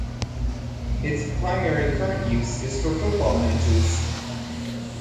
Its primary current use is for football matches.